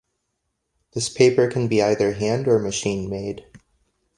This paper can be either hand or machine made.